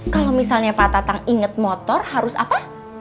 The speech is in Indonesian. kalau misalnya pak tatang inget motor harus apa